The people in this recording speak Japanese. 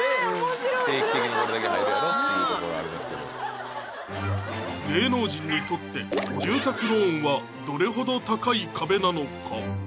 知らなかった芸能人にとって住宅ローンはどれほど高い壁なのか？